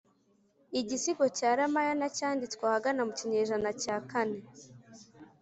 igisigo cya ramayana cyanditswe ahagana mu kinyejana cya kane